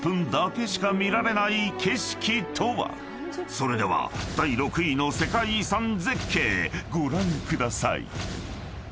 ［それでは第６位の世界遺産絶景ご覧ください］